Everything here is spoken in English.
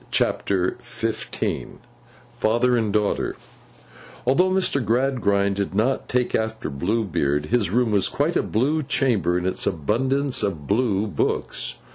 CHAPTER XV FATHER AND DAUGHTER ALTHOUGH Mr. Gradgrind did not take after Blue Beard, his room was quite a blue chamber in its abundance of blue books.